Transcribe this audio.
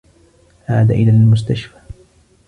عاد إلى المستشفى.